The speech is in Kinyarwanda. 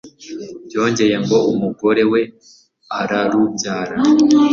byongeye ngo umugore we ararubyara